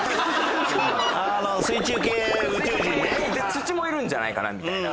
土もいるんじゃないかなみたいな。